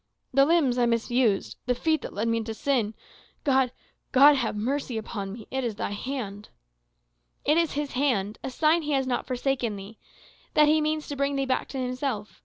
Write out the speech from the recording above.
"The limbs I misused! The feet that led me into sin! God God have mercy upon me! It is thy hand!" "It is his hand; a sign he has not forsaken thee; that he means to bring thee back to himself.